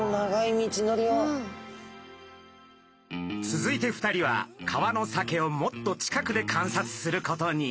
続いて２人は川のサケをもっと近くで観察することに。